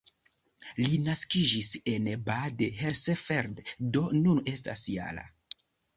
Li naskiĝis en Bad Hersfeld, do nun estas -jara.